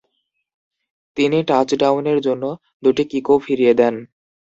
তিনি টাচডাউনের জন্য দুটি কিকও ফিরিয়ে দেন।